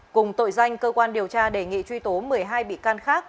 cùng tội danh cơ quan điều tra đề nghị truy tố một mươi hai bị can khác